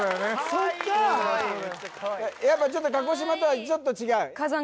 そっかやっぱちょっと鹿児島とはちょっと違う？